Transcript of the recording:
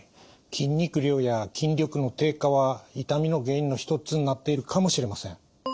筋肉量や筋力の低下は痛みの原因の一つになっているかもしれません。